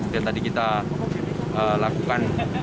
dan tadi kita lakukan